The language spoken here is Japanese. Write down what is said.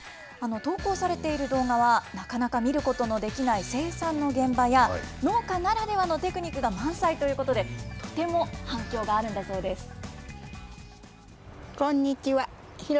投稿されている動画は、なかなか見ることのできない生産の現場や、農家ならではのテクニックが満載ということで、とても反響があるんだそうです。